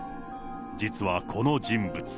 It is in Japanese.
実はこの人物。